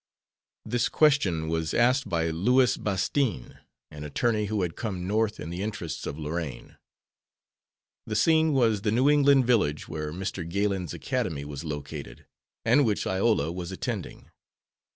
This question was asked by Louis Bastine, an attorney who had come North in the interests of Lorraine. The scene was the New England village where Mr. Galen's academy was located, and which Iola was attending.